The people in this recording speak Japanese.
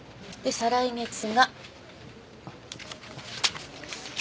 で再来月が。